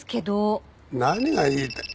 何が言いたい。